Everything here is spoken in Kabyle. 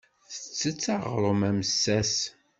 Tettett aɣrum amessas.